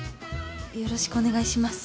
よろしくお願いします。